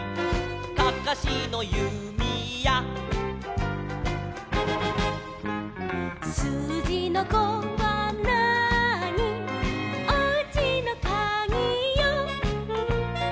「かかしのゆみや」「すうじの５はなーに」「おうちのかぎよ」